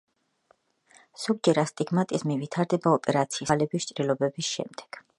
ზოგჯერ ასტიგმატიზმი ვითარდება ოპერაციის, რქოვანას დაავადების, თვალების ჭრილობების შემდეგ.